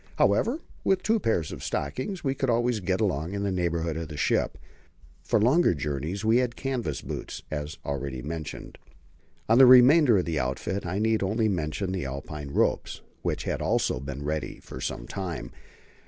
However, with two pairs of stockings we could always get along in the neighbourhood of the ship. For longer journeys we had canvas boots, as already mentioned. Of the remainder of our outfit I need only mention the Alpine ropes, which had also been ready for some time.